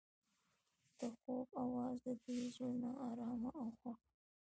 د خوب اواز د دوی زړونه ارامه او خوښ کړل.